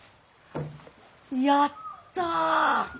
やった！